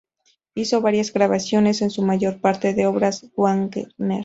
Hizo varias grabaciones, en su mayor parte de obras de Wagner.